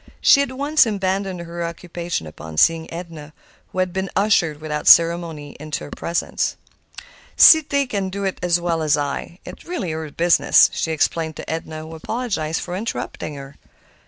She at once abandoned her occupation upon seeing Edna, who had been ushered without ceremony into her presence. "'Cité can do it as well as I; it is really her business," she explained to Edna, who apologized for interrupting her.